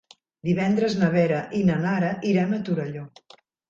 Divendres na Vera i na Nara iran a Torelló.